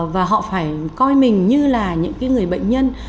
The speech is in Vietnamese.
và họ phải coi mình như là những người bệnh nhân